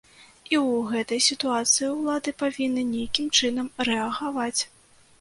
І ў гэтай сітуацыі ўлады павінны нейкім чынам рэагаваць.